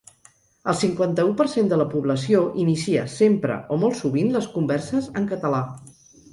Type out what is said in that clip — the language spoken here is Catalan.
El cinquanta-u per cent de la població inicia sempre o molt sovint les converses en català.